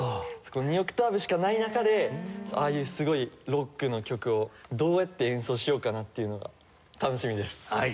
２オクターブしかない中でああいうすごいロックの曲をどうやって演奏しようかなっていうのが楽しみです。